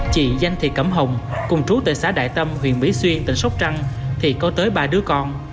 chị danh thị cẩm hồng cùng chú tệ xã đại tâm huyện mỹ xuyên tỉnh sóc trăng thì có tới ba đứa con